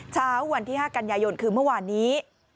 เช้าวันที่๕กันยายนคือเมื่อวานนี้